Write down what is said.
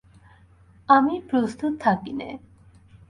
আমিই প্রস্তুত থাকি নে।